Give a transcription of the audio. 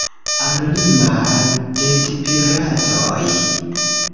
anonimaj retpiratoj